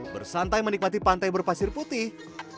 bersantai menikmati pantai berpasir putih